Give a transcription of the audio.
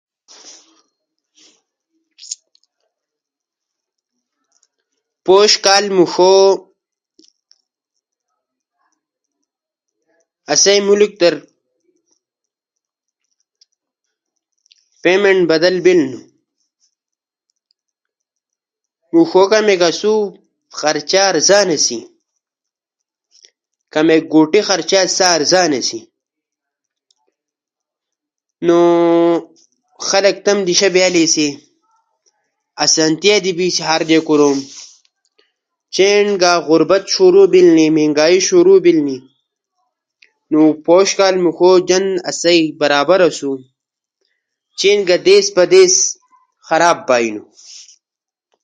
پوش کال مݜو اسئ ملک در پیمینٹ بادل بینو خرچہ ارزان اسی خلق تمو دیشہ بیا لی اسی غربت نی اسئ جوند برابر اسو چین دیس پدیس خراب با اینو